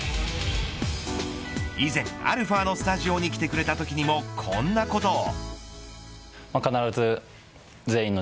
以前のαのスタジオに来てくれたときにもこんなことを。